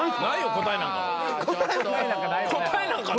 答えなんかないよ。